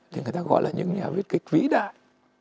thì người ta gọi là những nhà viết kịch vĩ đại